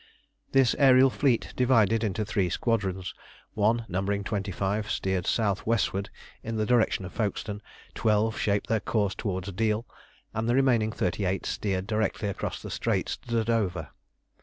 This aërial fleet divided into three squadrons; one, numbering twenty five, steered south westward in the direction of Folkestone, twelve shaped their course towards Deal, and the remaining thirty eight steered directly across the Straits to Dover.